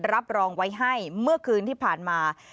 รับรองไว้ให้เมื่อคืนที่ผ่านมา